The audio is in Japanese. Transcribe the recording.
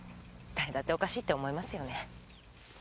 誰だっておかしいって思いますよね。